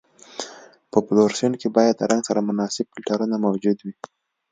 په فلورسنټ کې باید د رنګ سره مناسب فلټرونه موجود وي.